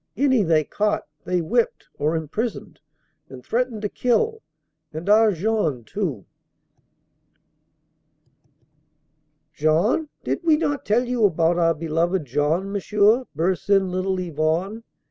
Any they caught they whipped or imprisoned and threatened to kill. And our Jean too ..." "Jean, did we not tell you about our beloved Jean, Monsieur?" bursts in little Yvonne.